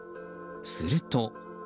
すると。